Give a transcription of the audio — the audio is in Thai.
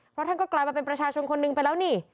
เพราะท่านก็กลายมาเป็นประชาชนคนหนึ่งไปแล้วนี่